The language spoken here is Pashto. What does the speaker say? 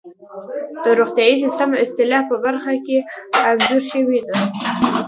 د روغتیايي سیستم اصلاح په برخه کې انځور شوې ده.